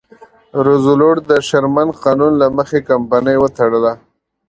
روزولټ د شرمن قانون له مخې کمپنۍ وتړله.